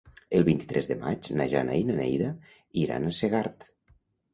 El vint-i-tres de maig na Jana i na Neida iran a Segart.